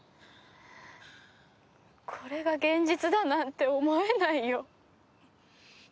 これが現実だなんて思えないよ。